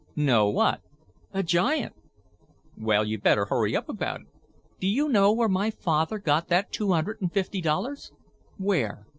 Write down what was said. "No; what?" "A giant." "Well, you'd better hurry up about it." "Do you know where my father got that two hundred and fifty dollars?" "Where?"